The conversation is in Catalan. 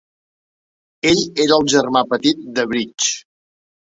Ell era el germà petit de Brig.